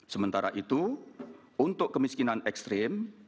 sementara itu untuk kemiskinan ekstrim